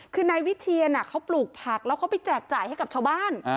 คือนายวิเทียนเขาปลูกผักแล้วเขาไปแจกจ่ายให้กับชาวบ้าน